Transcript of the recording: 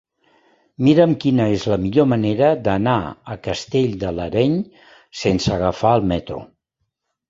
Mira'm quina és la millor manera d'anar a Castell de l'Areny sense agafar el metro.